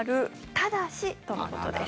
ただしとのことです。